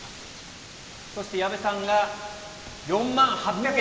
そして矢部さんが４万８００円。